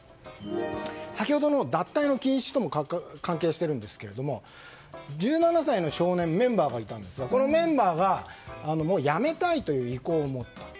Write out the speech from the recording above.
先ほどの脱退の禁止とも関係しているんですけど１７歳の少年メンバーがいたんですがこのメンバーが辞めたいという意向を持った。